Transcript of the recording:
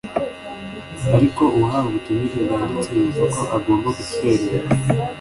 ariko uwahawe ubutumire bwanditse yumva ko agomba gutwerera.